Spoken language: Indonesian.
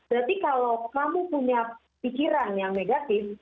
berarti kalau kamu punya pikiran yang negatif